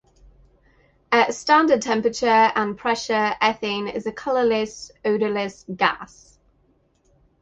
At standard temperature and pressure, ethane is a colorless, odorless gas.